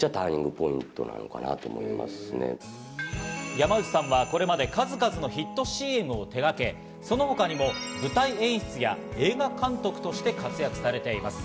山内さんはこれまで数々のヒットＣＭを手がけ、その他にも舞台演出や映画監督として活躍されています。